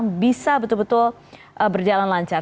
dan bisa betul betul berjalan lancar